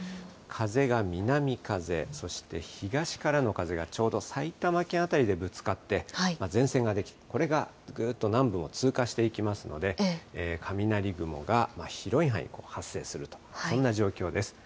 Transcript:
風が南風、そして、東からの風がちょうど埼玉県辺りでぶつかって、前線が出来、これがぐーっと南部を通過していきますので、雷雲が広い範囲で発生すると、そんな状況です。